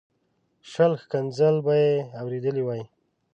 شل ښکنځل به یې اورېدلي وای.